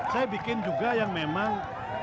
saya bikin juga yang memang